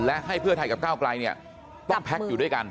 และให้เพื่อไทยกับก้าวไกลเนี่ยต้องแพ็คอยู่ด้วยกัน